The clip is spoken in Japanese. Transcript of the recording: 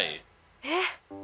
えっ。